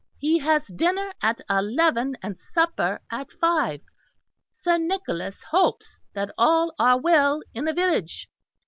He has dinner at eleven and supper at five. Sir Nicholas hopes that all are well in the village."